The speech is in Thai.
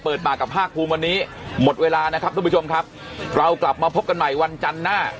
ปากกับภาคภูมิวันนี้หมดเวลานะครับทุกผู้ชมครับเรากลับมาพบกันใหม่วันจันทร์หน้า